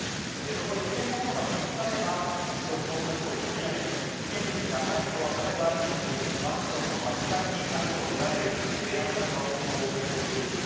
そこで危険なものが見つかれば一度、捜索を取りやめ危険物がないと分かれば順次、マンションの８階にあるとみられる部屋の中を捜索していく。